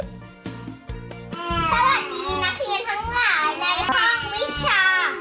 พาไทยวันนี้ผู้จะมาหาไทย